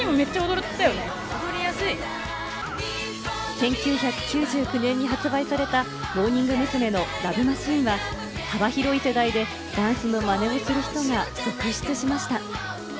１９９９年に発売されたモーニング娘。の『ＬＯＶＥマシーン』は、幅広い世代でダンスのマネをする人が続出しました。